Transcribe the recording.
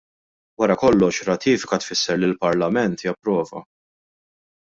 Wara kollox ratifika tfisser li l-Parlament japprova.